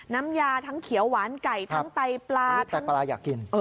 น้ำยาทั้งเขียวหวานไก่ทั้งไตปลา